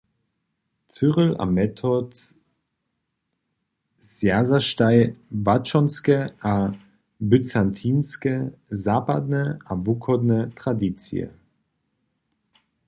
Cyril a Metod zwjazaštaj łaćonske a bycantinske, zapadne a wuchodne tradicije.